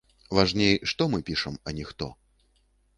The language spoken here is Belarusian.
Важней, што мы пішам, а не хто.